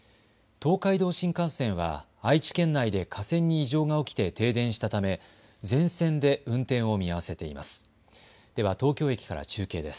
東海道新幹線は愛知県内で架線に異常が起きて停電したため全線で運転を見合わせています。